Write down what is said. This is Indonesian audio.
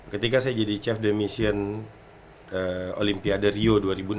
ketika saya jadi chef demission olimpiade rio dua ribu enam belas